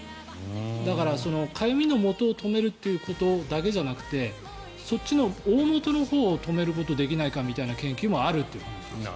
だから、かゆみのもとを止めるということだけじゃなくてそっちの大本のほうを止めることはできないかみたいな研究もあるということです。